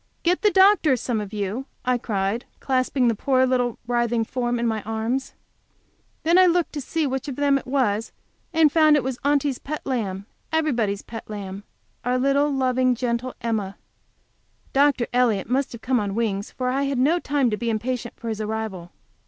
"Get the doctor, some of you," I cried, clasping the poor little writhing form in my arms. And then I looked to see which of them it was, and found it was Aunty's pet lamb, everybody's pet lamb, our little loving, gentle Emma. Dr. Elliott must have come on wings, for I had not time to be impatient for his arrival.